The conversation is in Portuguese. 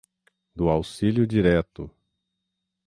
Do Auxílio Direto